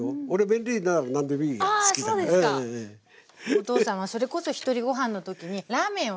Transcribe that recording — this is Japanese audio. お父さんはそれこそひとりごはんの時にラーメンをね